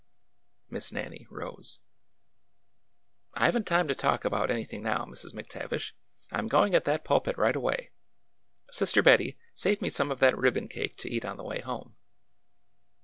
Miss Nannie rose. " I have n't time to talk about anything now, Mrs. Mc Tavish. I 'm going at that pulpit right away. Sister Bettie, save me some of that ribbon cake to eat on the way home."